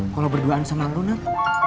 kalau berduaan sama antonat